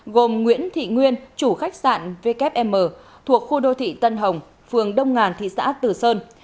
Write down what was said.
gồm nguyễn thị nguyên chủ khách sạn wm thuộc khu đô thị tân hồng phường đông ngàn thị xã tử sơn